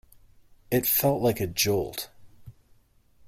It felt like a jolt.